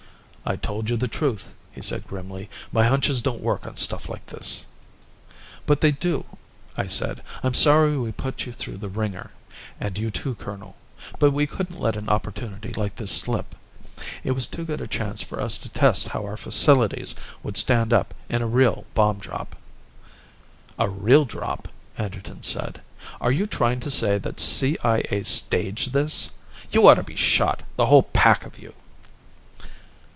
"I told you the truth," he said grimly. "My hunches don't work on stuff like this." "But they do," I said. "I'm sorry we put you through the wringer and you too, colonel but we couldn't let an opportunity like this slip. It was too good a chance for us to test how our facilities would stand up in a real bomb drop." "A real drop?" Anderton said. "Are you trying to say that CIA staged this? You ought to be shot, the whole pack of you!"